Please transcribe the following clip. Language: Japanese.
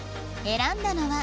選んだのは